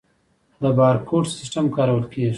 د بارکوډ سیستم کارول کیږي؟